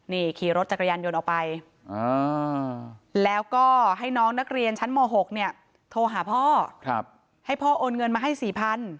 นี่ขี่รถจักรยานยนต์ออกไปแล้วก็ให้น้องนักเรียนชั้นม๖เนี่ยโทรหาพ่อให้พ่อโอนเงินมาให้๔๐๐